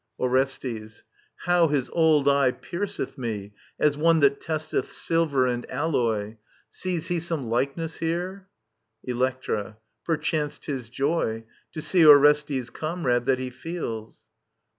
Orestes. How his old eye pierceth me^ As one that testeth silver and alloy I Sees he some likeness here ? Electra. Perchance *tis joy, To see Orestes' comrade^ that he feels.